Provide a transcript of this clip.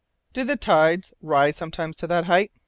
"Do the tides rise sometimes to that height?"